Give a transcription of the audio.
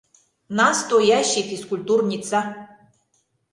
Настоящий физкультурница...